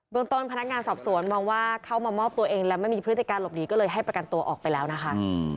เมืองต้นพนักงานสอบสวนมองว่าเข้ามามอบตัวเองและไม่มีพฤติการหลบหนีก็เลยให้ประกันตัวออกไปแล้วนะคะ